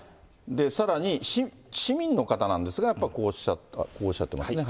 さらに、市民の方なんですが、やっぱりこうおっしゃってますね。